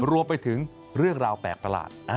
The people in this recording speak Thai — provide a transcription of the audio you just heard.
รวมไปถึงเรื่องราวแปลกประหลาด